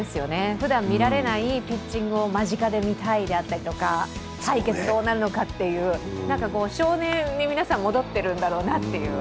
ふだん見られないピッチングを間近で見たいとか対決どうなるのかという少年に皆さん戻っているんだろうなっていう。